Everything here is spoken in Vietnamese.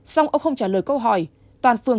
xong ông không trả lời câu hỏi toàn phường